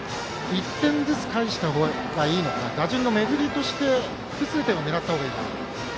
１点ずつ返したほうがいいのか打順の巡りとして複数点を狙うべきなのか。